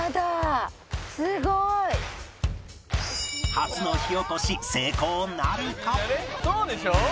初の火起こし成功なるか？